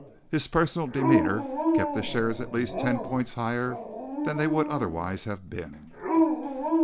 His personal demeanor kept his shares at least ten points higher than they would otherwise have been.